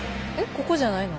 ここじゃないの？